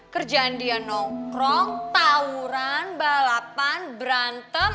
kerjaan dia nongkrong tawuran balapan berantem